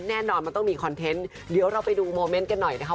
แน่นอนมันต้องมีคอนเทนต์เดี๋ยวเราไปดูโมเมนต์กันหน่อยนะคะ